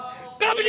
kami tidak peduli